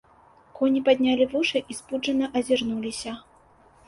Коні паднялі вушы і спуджана азірнуліся.